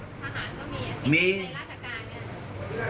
ทหารก็มีอีกมีในราชการ